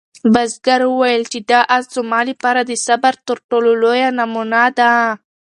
بزګر وویل چې دا آس زما لپاره د صبر تر ټولو لویه نمونه ده.